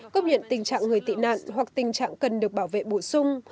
công nhận tình trạng người tị nạn hoặc tình trạng cần được bảo vệ bổ sung